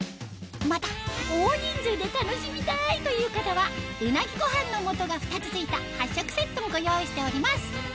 また大人数で楽しみたいという方はうなぎご飯の素が２つ付いた８食セットもご用意しております